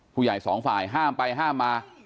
ผู้ใหญ่สองฝ่ายห้ามไปห้ามมา